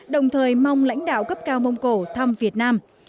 đồng thời mong lãnh đạo cấp cao mông cổ thăm việt nam